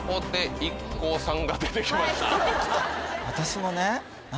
私もね